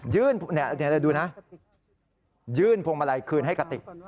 เดี๋ยวดูนะยื่นพวงมาลัยคืนให้กะติก